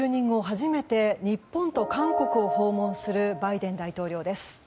初めて日本と韓国を訪問する、バイデン大統領です。